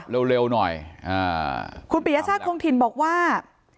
เร็วเร็วหน่อยอ่าคุณปียชาติคงถิ่นบอกว่า